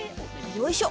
よいしょ。